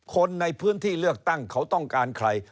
คนในพื้นที่เลือกตั้งเขาต้องการใคร